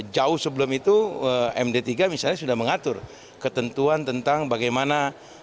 jauh sebelum itu md tiga misalnya sudah mengatur ketentuan tentang bagaimana